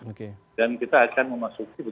dan mereka dia sama smp z consisting injuries and injury